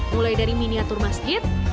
mulai dari miniatur masjid